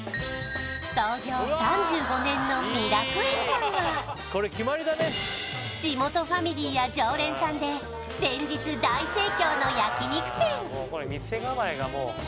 創業３５年の味楽苑さんは地元ファミリーや常連さんで連日大盛況の焼肉店